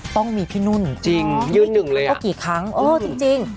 ต้องมีพี่นุ่นจริงยืนหนึ่งเลยอ่ะก็กี่ครั้งเออจริง